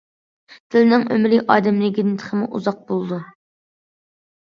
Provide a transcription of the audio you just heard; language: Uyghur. تىلنىڭ ئۆمرى ئادەمنىڭكىدىن تېخىمۇ ئۇزاق بولىدۇ.